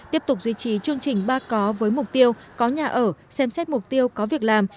tiếp tục duy trì chương trình ba có với mục tiêu có nhà ở xem xét mục tiêu có việc làm